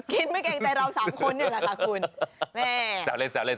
กินไม่เกรงใจเราสามคนนี่แหละค่ะคุณ